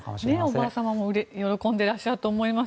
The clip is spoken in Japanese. おばあ様も喜んでいらっしゃると思います。